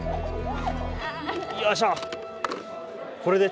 よいしょ。